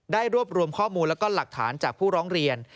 รวบรวมข้อมูลแล้วก็หลักฐานจากผู้ร้องเรียน